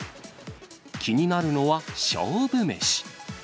気になるのは、勝負メシ。